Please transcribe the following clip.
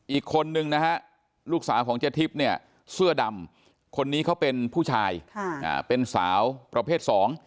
อีกคนหนึ่งลูกสาวของเจทิปเสื้อดำคนนี้เขาเป็นผู้ชายเป็นสาวประเภท๒